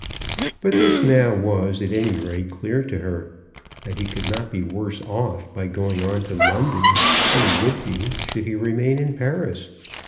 But this now was, at any rate, clear to her, — that he could not be worse off by going on to London than he would be should he remain in Paris.